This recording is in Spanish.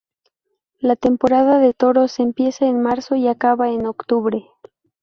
La temporada de toros empieza en marzo y acaba en octubre.